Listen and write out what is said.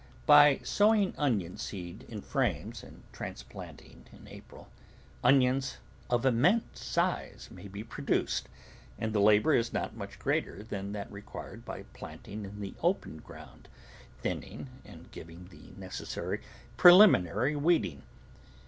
By sowing onion seed in frames and transplant ing in April, onions of immense size may be pro duced, and the labour is not much greater than that required by planting in the open ground, thin ning, and giving the necessary preliminary weed ing.